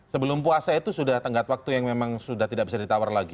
sebelum puasa itu sudah tenggat waktu yang memang sudah tidak bisa ditawar lagi